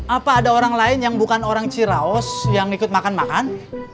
apa ada orang lain yang bukan orang ciraos yang ikut makan makan